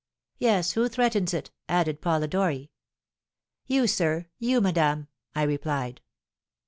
"'Yes, who threatens it?' added Polidori. "'You, sir! you, madame!' I replied.